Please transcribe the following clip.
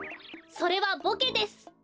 それはボケです。